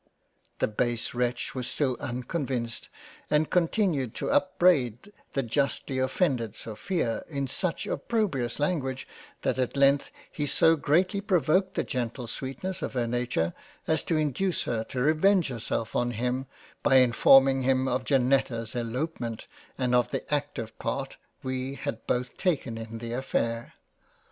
" The base wretch was still unconvinced and continued to upbraid the justly offended Sophia in such opprobious Language, that at length he so greatly provoked the gentle sweetness of her Nature, as to induce her to revenge herself on him by informing him of Janetta's Elopement, and of the active Part we had both taken in the affair.